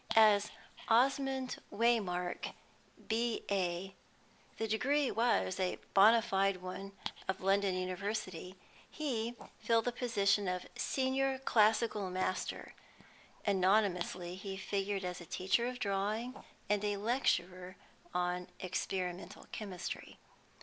As Osmond Waymark, B.A., the degree was a bona fide one, of London University, he filled the position of Senior Classical Master; anonymously he figured as a teacher of drawing and lecturer on experimental chemistry.